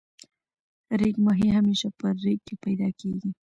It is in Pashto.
ریګ ماهی همیشه په ریګ کی پیدا کیږی.